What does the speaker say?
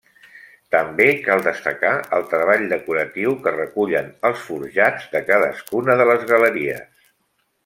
També cal destacar el treball decoratiu que recullen els forjats de cadascuna de les galeries.